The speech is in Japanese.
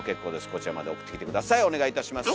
こちらまで送ってきて下さいお願いいたします。